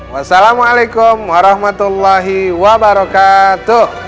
wassalamu'alaikum warahmatullahi wabarakatuh